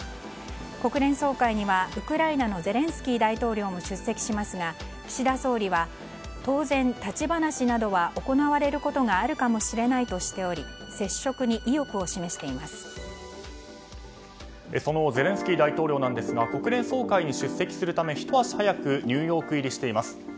国連総会には、ウクライナのゼレンスキー大統領も出席しますが岸田総理は、当然立ち話などは行われることがあるかもしれないとしておりそのゼレンスキー大統領ですが国連総会に出席するためひと足早くニューヨーク入りしています。